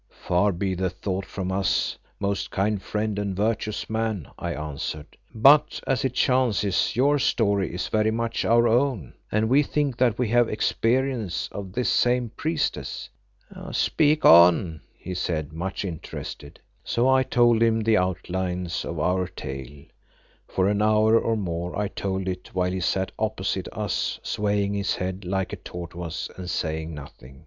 "Far be the thought from us, most kind friend and virtuous man," I answered. "But, as it chances, your story is very much our own, and we think that we have experience of this same priestess." "Speak on," he said, much interested. So I told him the outlines of our tale; for an hour or more I told it while he sat opposite to us swaying his head like a tortoise and saying nothing.